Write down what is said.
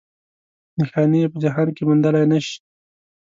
نښانې یې په جهان کې موندلی نه شي.